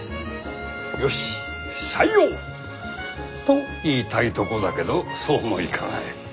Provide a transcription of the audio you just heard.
よし採用！と言いたいとこだけどそうもいかない。